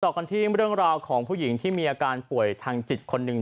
กันที่เรื่องราวของผู้หญิงที่มีอาการป่วยทางจิตคนหนึ่ง